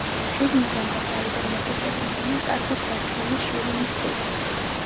შიგნიდან და გარედან მოპირკეთებულია კარგად გათლილი შირიმის ქვით.